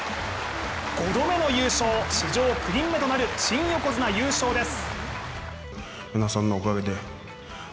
５度目の優勝、史上９人目となる新横綱優勝です。